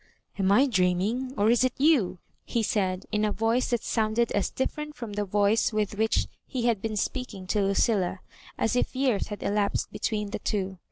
'* Am I dream ing, or is it youf" he said, in a voice that sounded as different from the voice with which he had been speaking to Lucilla, as if years had elapsed between the two.